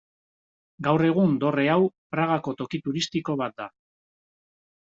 Gaur egun, dorre hau, Pragako toki turistiko bat da.